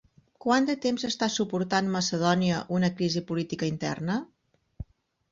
Quant de temps està suportant Macedònia una crisi política interna?